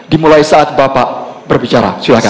dimulai saat bapak berbicara silahkan